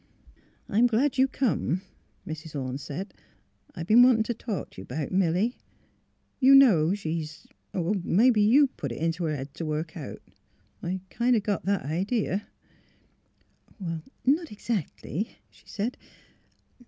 ''I'm glad you come," Mrs. Orne said, '' I've been wantin' t' talk t' you 'bout Milly. You know she's — but mebbe you put it int' her head t' work out? I kind o' got that idee." " Not exactly," she said.